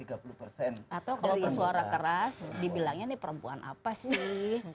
atau kalau bersuara keras dibilangnya nih perempuan apa sih